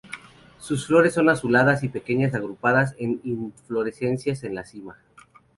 Sus flores son azuladas y pequeñas agrupadas en inflorescencias en la cima.